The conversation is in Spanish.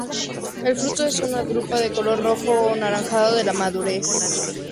El fruto es una drupa de color rojo o anaranjado en la madurez.